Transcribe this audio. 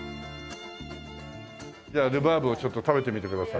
ではルバーブをちょっと食べてみてください。